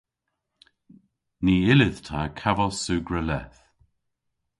Ny yllydh ta kavos sugra leth.